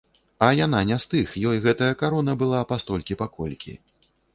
А яна не з тых, ёй гэтая карона была пастолькі-паколькі.